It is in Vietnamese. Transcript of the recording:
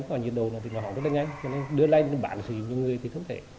còn nhiệt độ thì nó hóng rất là nhanh cho nên đưa lên bản sử dụng cho người thì không thể